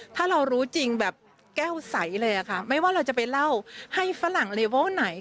ถ้าเรารู้จริงแบบแก้วใสเลยค่ะไม่ว่าเราจะไปเล่าให้ฝรั่งเลเวลไหน